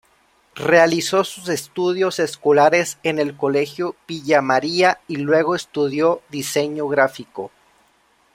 Realizó sus estudios escolares en el Colegio Villa María y luego estudió Diseño gráfico.